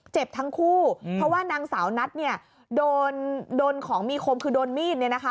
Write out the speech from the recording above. เจ็บทั้งคู่เพราะว่านางสาวนัทเนี่ยโดนโดนของมีคมคือโดนมีดเนี่ยนะคะ